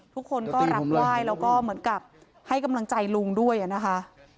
ทุกคนก็รับไหว้แล้วก็เหมือนกับให้กำลังใจลุงด้วยนะคะ